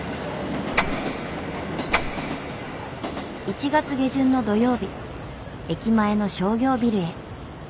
１月下旬の土曜日駅前の商業ビルへ。